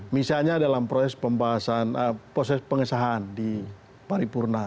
misalnya dalam proses pembahasan proses pengesahan di paripurna